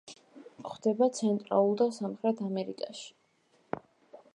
გვხვდება ცენტრალურ და სამხრეთ ამერიკაში.